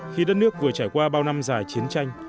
khi đất nước vừa trải qua bao năm dài chiến tranh